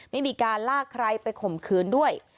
ไม่มีการลากใครไปข่มขืนด้วย